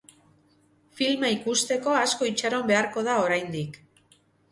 Filma ikusteko asko itxaron beharko da oraindik.